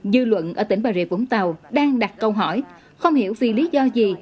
dư luận ở tỉnh bà rịa vũng tàu đang đặt câu hỏi không hiểu vì lý do gì